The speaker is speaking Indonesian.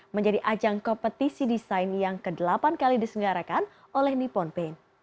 menjadi ajang kompetisi desain yang ke delapan kali disenggarakan oleh nippon pain